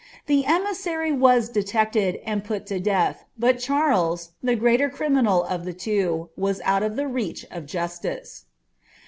The emissary was detected and put to death, but Charles, the greater criminal of the two, was out of the reach of justice.'